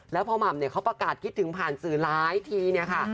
แล้วพอหม่ำเนี่ยเขาประกาศคิดถึงผ่านสื่อหลายทีเนี่ยค่ะ